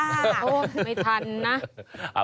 ไม่ทันนะ